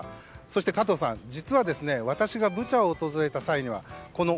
そして、加藤さん実は私がブチャを訪れた際にはこの